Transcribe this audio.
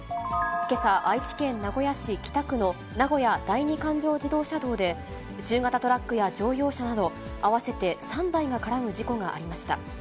けさ、愛知県名古屋市北区の名古屋第二環状自動車道で、中型トラックや乗用車など、合わせて３台が絡む事故がありました。